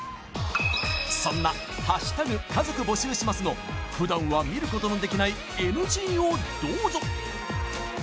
そんな「＃家族募集します」のふだんは見ることのできないＮＧをどうぞ！